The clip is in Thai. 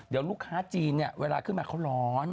เดี๋ยวลูกค้าจีนเนี่ยเวลาขึ้นมาเขาร้อน